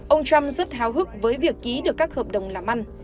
ông trump rất hào hức với việc ký được các hợp đồng làm ăn